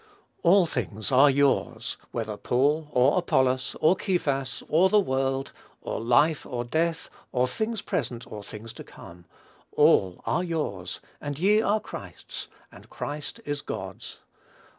"All things are yours; whether Paul, or Apollos, or Cephas, or the world, or life, or death, or things present, or things to come; all are yours, and ye are Christ's, and Christ is God's."